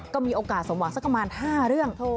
ก็มีโอกาสสมหวังสักประมาณ๕เรื่อง